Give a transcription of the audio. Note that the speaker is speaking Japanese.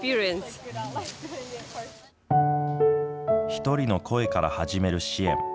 一人の声から始める支援。